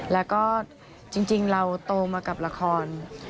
แล้วก็จริงเราโตมากับละคร